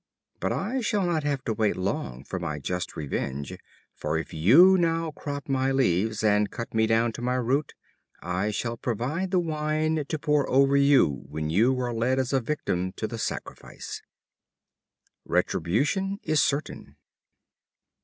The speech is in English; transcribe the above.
But I shall not have to wait long for my just revenge; for if you now crop my leaves, and cut me down to my root, I shall provide the wine to pour over you when you are led as a victim to the sacrifice." Retribution is certain.